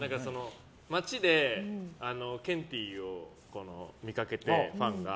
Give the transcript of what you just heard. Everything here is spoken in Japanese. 街でケンティーを見かけてファンが。